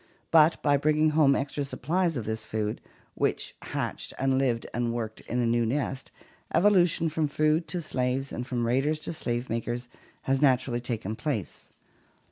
But by bringing home extra supplies of this food, which hatched and lived and worked in the new nest, evolution from food to slaves and from raiders to slave makers has naturally taken place.